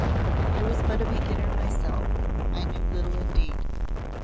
I was but a beginner myself I knew little indeed.